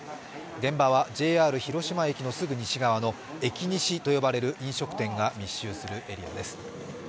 現場はＪＲ広島駅のすぐ西側の駅西と呼ばれる飲食店が密集するエリアです。